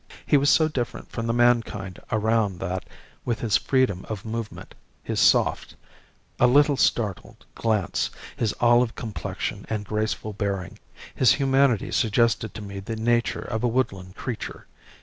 He was so different from the mankind around that, with his freedom of movement, his soft a little startled, glance, his olive complexion and graceful bearing, his humanity suggested to me the nature of a woodland creature.